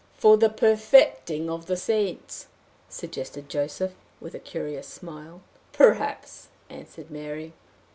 "For the perfecting of the saints," suggested Joseph, with a curious smile. "Perhaps," answered Mary.